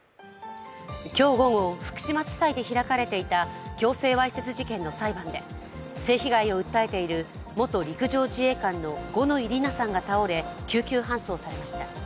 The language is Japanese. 今日午後、福島地裁で開かれていた強制わいせつ事件の裁判で、性被害を訴えている元陸上自衛官の五ノ井里奈さんが倒れ、救急搬送されました。